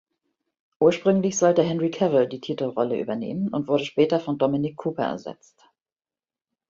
Ursprünglich sollte Henry Cavill die Titelrolle übernehmen und wurde später von Dominic Cooper ersetzt.